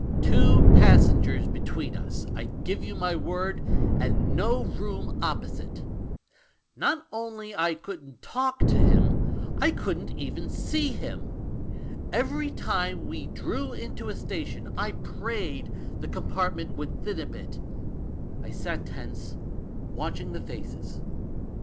"Two passengers between us, I give you my word, and no room opposite. Not only I couldn't talk to him — I couldn't even see him. Every time we drew into a station I prayed the com partment would thin a bit ; I sat tense, watching the faces.